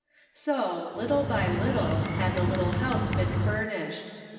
So, little by little, had the little house been furnished.